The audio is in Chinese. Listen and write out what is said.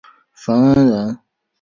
冯恩人。